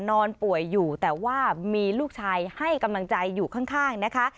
นอนป่วยอยู่แต่ว่ามีลูกชายให้กำลังใจอยู่ข้างนะคะ